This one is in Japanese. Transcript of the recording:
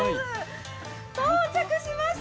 到着しました。